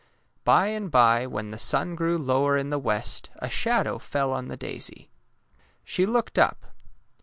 By and bye when the sun grew lower in the west, a shadow fell on the daisy. She looked up.